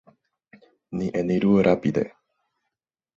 Ni eniru rapide!